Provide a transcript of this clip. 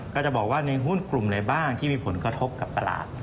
ก็จะบอกว่าในหุ้นกลุ่มไหนบ้างที่มีผลกระทบกับตลาด